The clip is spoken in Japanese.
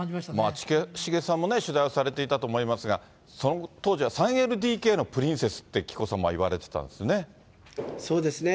近重さんも取材をされていたと思いますが、その当時は３ＬＤＫのプリンセスって紀子さまは言われてたんですそうですね。